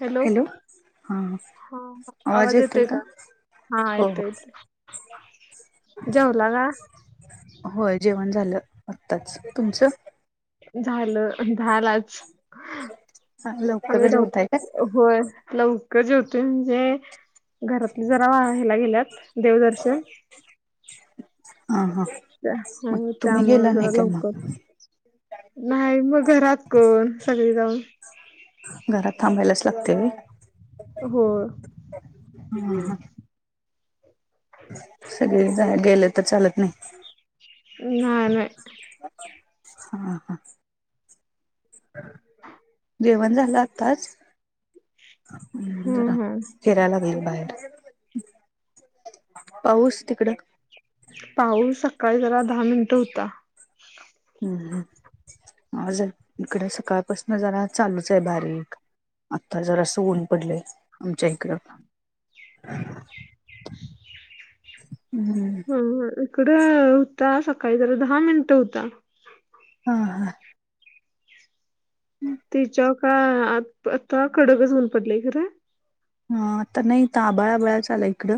Hello हा ह आवाज येतोय का हा हो येतो हो येतो जेवला ग होय जेवण झालं आत्ताच तुमचं झालं झालाच आ लवकर ल जेवताय काय? होय लवकर जेवते म्हणजे घरातले जरा राहायला गेल्यात देवदर्शन अ हा त्या मग हो तुम्ही गेला त्यामुळे जरा नाही काय लवकर मग नाही मग घरात कोण सगळी जाऊन घरात थांबायलाच लागते हो हम्म सगळे गेले तर चालत नाही नाही नाही हा हा जेवण झालं आत्ताच जरा हम्म हम्म फिरायला गेल बाहेर पाऊस तिकड पाऊस सकाळी जरा दहा मिनिटं होता हम्मज इकडे सकाळपासून जरा चालूच आहे बारीक आता जरा असं ऊन पडलंय आमच्या इकडं हम् हम ह इकड होता सकाळी जरा दहा मिनिट होता हा हा तच्या काय आता कडकच होऊन पडलेय खरं ह आता नाही तर आबाळाबळा चाला इकडं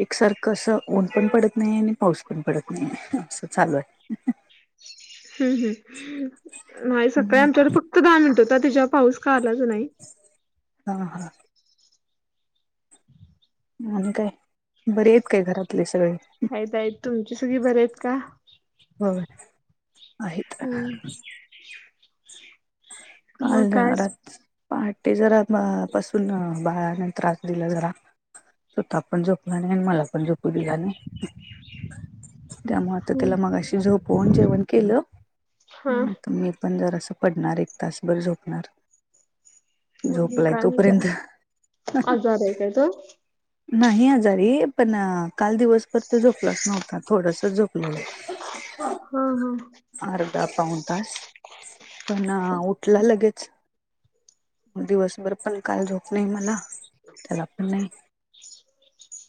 एकसारखं असं ऊन पण पडत नाही आणि पाऊस पण पडत नाही असं चालू आहे ह हम् हम् नाही सकाळी आहे. आमच्यावर फक्त दहा मिनिट होता त्याच्या पाऊस का आलाच नाही हा हा आणि काय बर आहेत काय घरातले सगळे आहेत त आहेत तुमची सगी बरे आहेत का ब आहेत हम्म. मग काल काय जरात पहाटे जरा पासून बाळाान त्रास दिला जरा ततः पण झोपला नाही आणि मला पण झोपू दिला नाही त्यामुळे आता त्याला मगाशी झोपवून जेवण केलं हा तर मी पण जर असं पडणार एक तासभर झोपणार मग झोपलाय काय म्हणजे तोपर्यंत [unintelligible] नाही आजारी पण काल दिवसभर तो झोपलाच नव्हता, थोडंसच झोपलेला. हा अर्धा पाऊन तास पण उठला लगेच. म दिवसभर पण काल झोप नाही मला, त्याला पण नाही.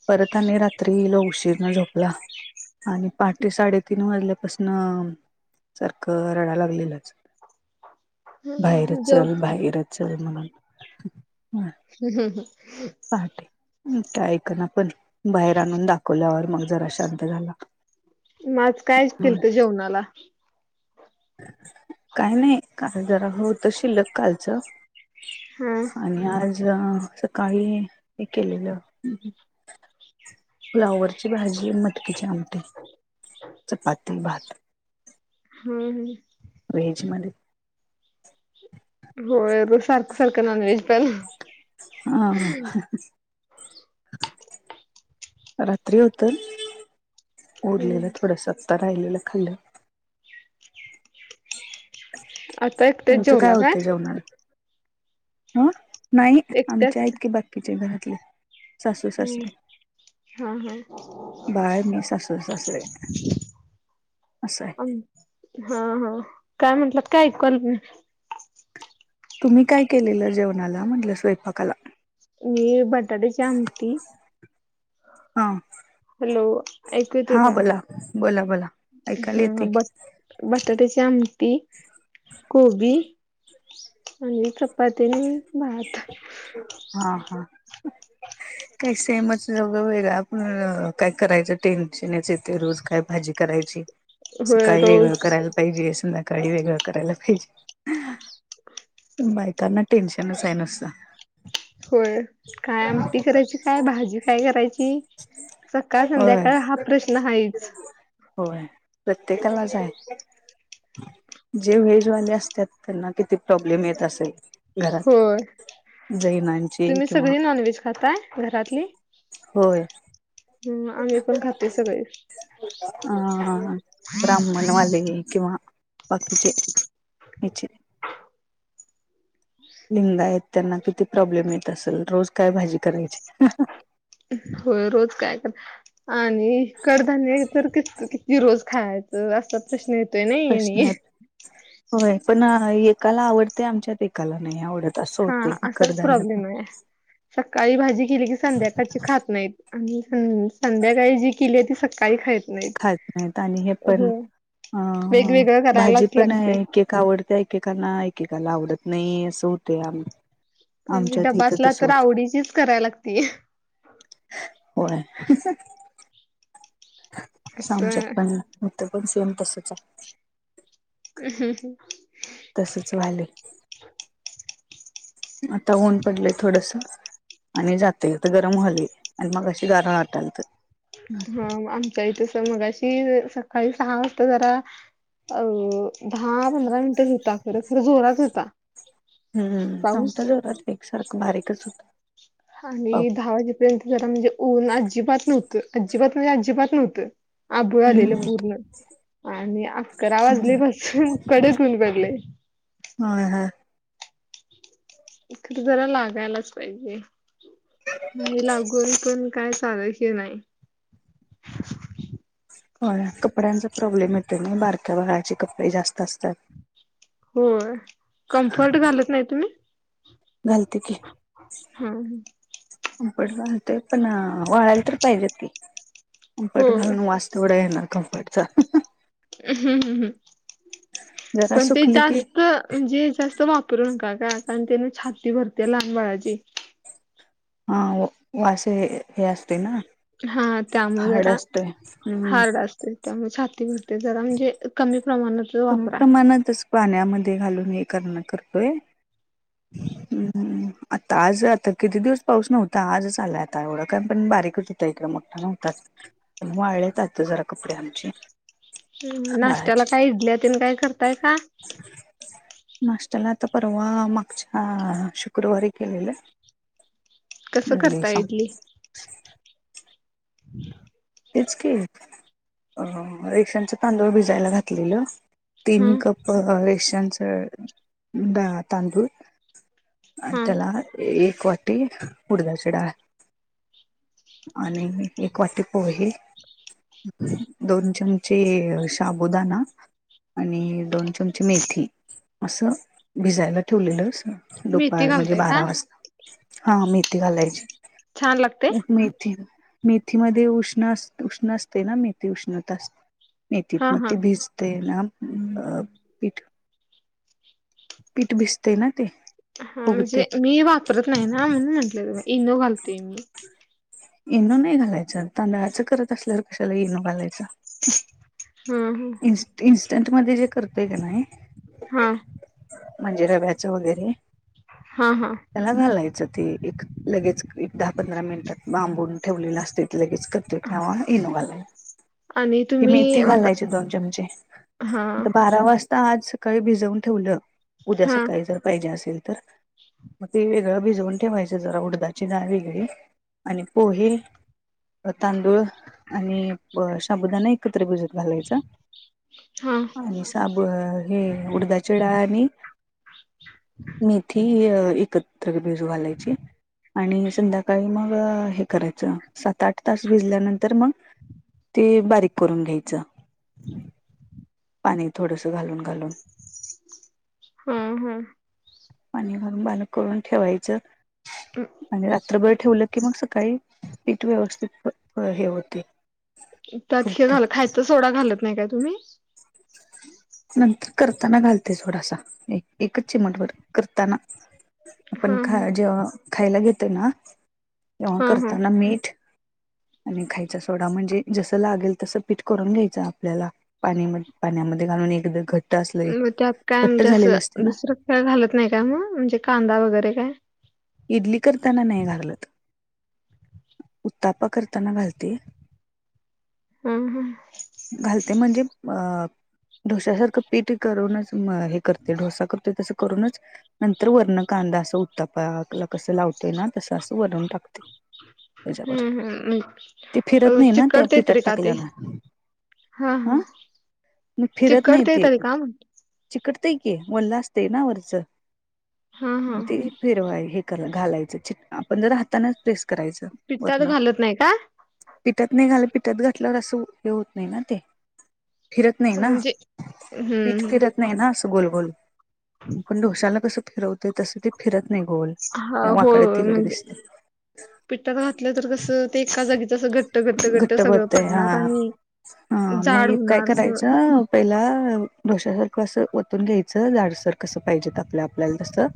परत आणि रात्री लय उशीरन झोपला. आणि पहाटे साडेतीन वाजल्यापासून सारखं रडाय लागलेलाच. हा बाहेरच जो चल बाहेरच चल म्हणून. [unintelligible] पहाटे, ते ऐक ना पण, बाहेर आणून दाखवल्यावर मग जरा शांत झाला. म आज कायच होय, केलतं जेवणाला? काय नाही, काल जरा होतं शिल्लक कालचं हा आणि आणि आज अ सकाळी हे केलेलं फ्लावरची भाजी आणि मटकीचे आमटी, चपाती, भात. हम्म हम्म व्हेजमध्ये होय, रोज सारखं सारखं नॉन व्हेज पण हा हा रात्री होतं, उरलेलं हम्म. थोडसं आता राहिलेलं खाल्लं. आता एकटेच तुमचं जेवला काय? होतं जेवणाला ह नाही, आमचे एकट्याच आहेत बाकीचे घरातले सासू हम्म. सासरे. हा हा बाळ मी सासू सासरे असं आहे. अम हा हा, काय म्हटलात काय ऐकू आलं नाही? तुम्ही काय केलेलं जेवणाला म्हटलं स्वयंपाकाला? मी बटाटयाची आमटी हा हॅलो! ऐकू येते हा का? बोला बोला बोला ऐकायला येते ह की ब बटाट्याची आमटी, कोबी आणि चपाती आणि भात. हा हा काही सेमच, वेगवेगळ आपण काय करायचं टेन्शनच येतंय रोज काय भाजी करायची, होय सकाळी वेगळं रोज करायला पाहिजे संध्याकाळी वेगळं करायला पाहिजे. बायकांना टेन्शनच आहे नुसतं. होय, काय आमटी करायची काय भाजी काय करायची? की सकाळ होय संध्याकाळ हा प्रश्न हायच. होय प्रत्येकालाच आहे. जे व्हेजवाले असतात त्यांना किती प्रॉब्लेम येत असेल? घरात होय, जैनांचे तुम्ही किंवा सगळी नॉन व्हेज खाताय घरातली? होय हम्म, आम्ही पण खातोय सगळे. अ ब्राह्मणवाले किंवा बाकीचे हेचे लिंगायत त्यांना किती प्रॉब्लेम येत असेल, रोज काय भाजी करायची? होय रोज काय तर, आणि कडधान्य तर क किती रोज खायाचं असा प्रश्न येत प्रश्नय, होय पण एकाला आवडते आमच्यात एकाला नाही आवडत. असं हा होते असाच कडधान्य पण प्रॉब्लेम आहे, सकाळी भाजी केली की संध्याकाळची खात नाहीत. आणि संध्याकाळी जी केली ती सकाळी खाय खात नाहीत आणि हे पण, अ वेगवेगळं भाजी करायलाच पण लागते आहे की का आवडते एकेकांना एकेकाला आवडत नाही असं होतया. म्हणजे डबा असला तर आवडीचीच करायला लागतेय. होयय असं आमच्यात पण बघ सेम तसच आहे हम्म्म हम्म तसच व्हायलय आता ऊन पडलंय थोडंसं आणि जातय हित गरम व्हायलय आणि मगाशी गार वाटालत ह आमच्या इथे मगाशी सकाळी सहा वाजता जरा अ दहा पंधरा मिनिटच होता खरं खर जोरात होता हम्म पाऊस आमच्या [unintelligible] जोरात एकसारखं बारीकच होता. आणि पाऊस दहा वाजेपर्यंत जरा म्हणजे ऊन अजिबात नव्हतं अजिबात म्हणजे अजिबात नव्हतं. अभूळ आलेलं हम्म पूर्ण आणि अकरा वाजल्यापासून कडक ऊन पडले. ह ह इकडे जरा लागायलाच पाहिजे. नाही लागून पण काय चालायच हे नाही हो कपड्यांचा प्रॉब्लेम येतो नाही बारक्या बाळाचे कपडे जास्त असतात. होय कम्फर्ट घालत नाही तुम्ही घालतो की हा ह कम्फर्ट घालतोय पण वाळायला तर पाहिजेत की कम्फर्ट होय घालून वास थोडा येणार कम्फर्टचा हम्म हम् हम् जरा पण ते सुकली की जास्त म्हणजे जास्त वापरू नका का कारण त्यान छाती भरत्या लहान बाळाची. हा वो वास हे हे असतय ना हा त्यामुळे हार्ड जरा असतय हम्म हार्ड असते त्यामुळे छाती भरते जरा म्हणजे कमी प्रमाणात कमी वापरा प्रमाणातच पाण्यामध्ये घालून हे करणार कपडे. हम् हम आता आज आता किती दिवस पाऊस नव्हता आजच आलाय आता एवढं काय पण बारीकच होतं इकडं मोठा नव्हताच पण वाळलेत आता जरा कपडे आमचे बाळाचे तुम्ही काय करताय का? [inaudible] नाष्टयाला आता परवा मागच्या शुक्रवारी केलेला कसं करताय इडली? [inaudible] तेच के रेशन्स च तांदूळ भिजायला घातलेलं हा तीन कप, अ रेशनच होय तांदूळ हा त्याला एक वाटी, उडदाची डाळ आणि एक वाटी पोहे दोन चमचे शाबुदाणा आणि दोन चमची मेथी असं भिजायला ठेवलेलंस मेथी दुपार म्हणजे घालताय का बारा वाजता हा मेथी घालायची छान लागते मेथी मध्ये उष्ण उष्ण अस उष्ण असते ना मेथी उष्णता अस मेथीत हा मग हा ते भिज ते ना पीठ पीठ भिजते ना ते हा फुगते म्हणजे मी वापरत नाही ना म्हणून म्हंटले इनो घालतेय मी इनो नाही घालायचं तांदळाच करत असल्यावर कशाला इनो घालायचं. हम्म हम इ इन्स्टंट मध्ये जे करतोय का नाही. हा. म्हणजे रव्याचं वगैरे हा हा. त्याला घालायचं ते एक लगेच एक दहा पंधरा मिनिटात बांबून ठेवलेलं असते लगेच क [unintelligible] आणि की तुम्ही मेथी आता घालायची. चमचे हा पण बारा वाजता आज सकाळी भिजवून ठेवलं. उद्या हा सकाळी जर पाहिजे असेल तर. मग ते वेगळं भिजवून ठेवायचं जरा उडदाची डाळ वेगळी आणि पोहे. अ तांदूळ आणि ब शाबुदाना एकत्र भिजत घालायचा हा आणि [unintelligible] हे उडदाची डाळ आणि मेथी अ एकत्र भिजू घालायची. आणि संध्याकाळी मग हे करायचं सात आठ तास भिजल्यानंतर मग. ते बारीक करून घ्यायचं. [inaudible] पाणी थोडंस घालून घालून. हम्म हम्म. पाणी घालून बारीक करून ठेवायचं आणि रात्रभर ठेवलं की मग सकाळी पीठ व्यवस्थित हे होते. त्यात हे फुगते घाल खायचा सोडा घालत नाही काय तुम्ही? [inaudible] नंतर करताना घालते थोडासा एकच चिमटभर करताना. आपण हा ख हा जेव्हा खायला घेतो ना तेव्हा हा हा करताना मीठ. आणि खायचा सोडा म्हणजे जसं लागेल तसं पीठ करून घ्यायचं आपल्याला पाणी म पाण्यामध्ये घालून एकदा घट मग त्यात काय आमच्यास ना दुसरं काय घालत नाही काय मग म्हणजे कांदा वगैरे काय. इडली करताना नाही घागलत. उत्तप्पा करताना घालते. हम्म हम्म. घालते म्हणजे अह डोश्यासारखं पीठ करूनच म हे करते ढोसा करते तसं करूनच. नंतर वरन कांदा अस उत्तप्पाला कसं लावतोय ना तसं असं वरून टाकते. त्याच्यावर हम्म हम्म ते अ फिरत नाही ना त्या चिकटतेत पिठात तरी का ते? टाकल्यान हा हा हा. मग फिरत नाही चिकटतय ते. तरी का म्हण चिकटत की वल्ल असते ना वरचं हा हा ते फिरवाय हे. घालायच चीट आपण जर हाताच प्रेस. करायचं पिठात वरण घालत नाही का? पिठात नाही घालत पिठात घातल्यावर असं हे होत नाही ना ते. फिरत नाही ना म्हणजे पीठ हम्म फिरत नाही ना असं गोल गोल आपण डोशाला कसं फिरवतंय तसं ते फिरत नाही गोल. हा हो वाकडे होय तिकडे म्हणजे दिसते पिठात घातलं तर कस ते एका जागीच. जसं घट्ट घट्ट घट्ट सगळं भरतय हा पडणार आणि हा मग जाड हे काय होणार असं. करायचं पहिला दशासारखसं वतून घ्यायचं जाडसर कसं पाहिजे आपलं आपल्याला तसं.